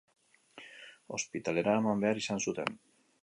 Ospitalera eraman behar izan zuten.